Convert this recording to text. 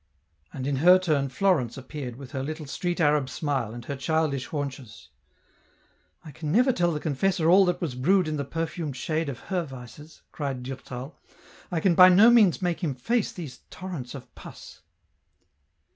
And m her turn Florence appeared with her little street arab smile, and her childish haunches. " I can never 178 EN ROUTE. tell the confessor all that was brewed in the perfumed shade of her vices," cried Durtal, " I can by no means make him face these torrents of pus.